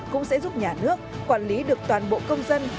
cũng sẽ giúp nhà nước quản lý được toàn bộ công dân